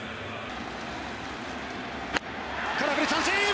空振り三振！